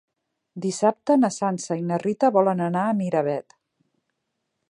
Dissabte na Sança i na Rita volen anar a Miravet.